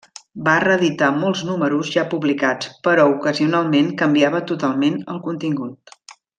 Va reeditar molts números ja publicats, però ocasionalment canviava totalment el contingut.